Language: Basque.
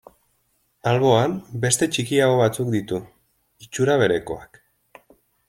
Alboan, beste txikiago batzuk ditu, itxura berekoak.